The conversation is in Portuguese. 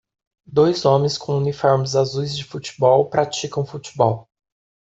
Dois homens com uniformes azuis de futebol praticam futebol.